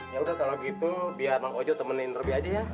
yaudah kalau gitu biar mang ojo temenin lebih aja ya